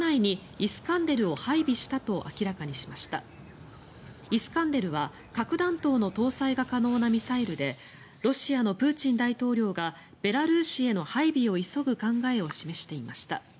イスカンデルは核弾頭の搭載が可能なミサイルでロシアのプーチン大統領がベラルーシへの配備を急ぐ考えを示していました。